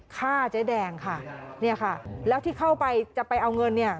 ฆ่าเจ๊แดงค่ะเนี่ยค่ะแล้วที่เข้าไปจะไปเอาเงินเนี่ย